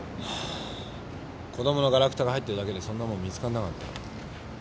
子供のガラクタが入ってるだけでそんなもん見つかんなかった。